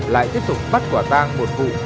lại tiếp tục bắt quả tang một vụ